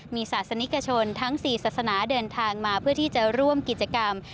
มีศาสนิกชนทั้ง๔ศาสนาเดินทางมาเพื่อที่จะร่วมกิจกรรม